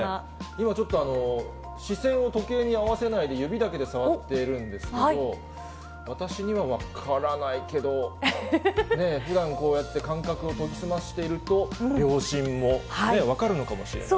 今ちょっと、視線を時計に合わせないで指だけで触ってるんですけど、私には分からないけど、ねえ、ふだん感覚を研ぎ澄ませていると、秒針も分かるのかもしれない。